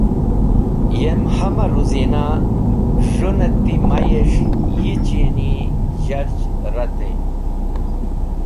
Yem hamah ruzina, z̃hũn et ti mayes̃h, yi chini zharzh retey.